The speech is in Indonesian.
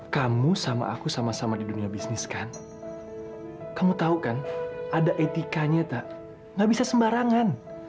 kamu sama aku sama sama di dunia bisnis kan kamu tahu kan ada etikanya tak gak bisa sembarangan